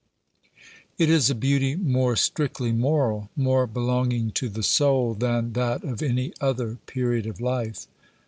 It is a beauty more strictly moral, more belonging to the soul, than that of any other period of life.